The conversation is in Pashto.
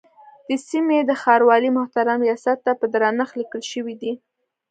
د سیمې د ښاروالۍ محترم ریاست ته په درنښت لیکل شوی دی.